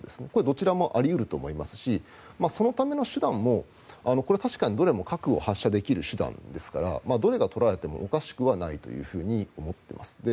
これはどちらもあり得ると思いますしそのための手段も確かにどれも核を発射できる手段ですからどれが取られてもおかしくはないと思っています。